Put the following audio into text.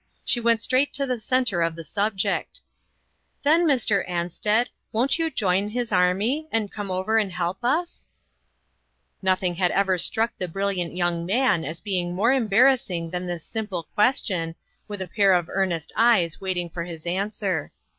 She went straight to the centre of the subject: " Then, Mr Ansted, won't you join his army, and come over and help us ?" Nothing had ever struck the brilliant young . man as being more embarrassing than this simple question, with a pair of earnest eyes waiting for his answer.